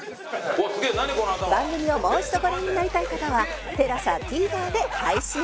番組をもう一度ご覧になりたい方は ＴＥＬＡＳＡＴＶｅｒ で配信